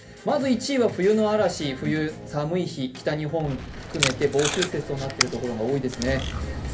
まず１位は冬の嵐、冬、寒い日、北日本含めて暴風雪になっているところ多いですね。